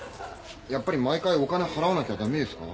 やっぱり毎回お金払わなきゃ駄目ですか？